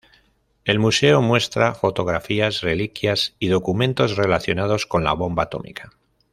El museo muestra fotografías, reliquias y documentos relacionados con la bomba atómica.